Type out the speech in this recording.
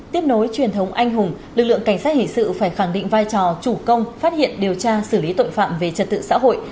tiếp nối truyền thống anh hùng lực lượng cảnh sát hình sự phải khẳng định vai trò chủ công phát hiện điều tra xử lý tội phạm về trật tự xã hội